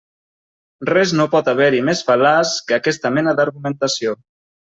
Res no pot haver-hi més fal·laç que aquesta mena d'argumentació.